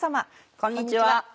こんにちは。